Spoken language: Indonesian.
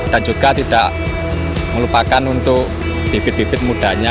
dan juga tidak melupakan untuk bibit bibit mudanya